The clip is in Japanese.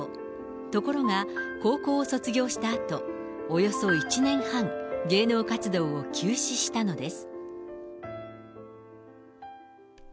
ところが、高校を卒業したあと、およそ１年半、芸能活動を休止したのです。